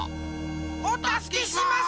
おたすけします！